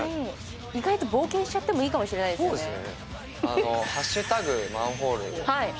意外と冒険しちゃってもいいかもしれないですね。